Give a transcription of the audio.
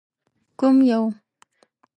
_کوم يو؟